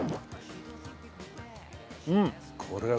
うん。